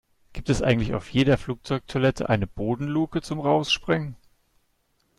Gibt es eigentlich auf jeder Flugzeugtoilette eine Bodenluke zum Rausspringen?